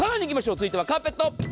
続いてはカーペット。